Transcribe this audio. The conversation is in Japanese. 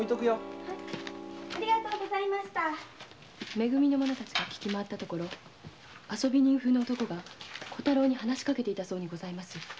「め組」の者たちが聞き回ったところ遊び人風の男が小太郎に話しかけていたそうです。